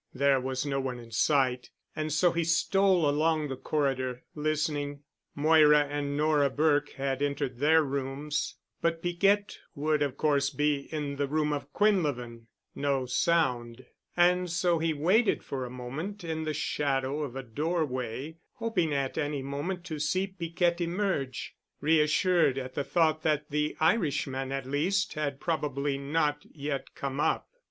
There was no one in sight and so he stole along the corridor, listening. Moira and Nora Burke had entered their rooms. But Piquette would of course be in the room of Quinlevin. No sound. And so he waited for a moment in the shadow of a doorway, hoping at any moment to see Piquette emerge, reassured at the thought that the Irishman at least had probably not yet come up.